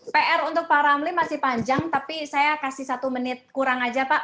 pr untuk pak ramli masih panjang tapi saya kasih satu menit kurang aja pak